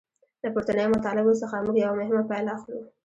له پورتنیو مطالبو څخه موږ یوه مهمه پایله اخلو.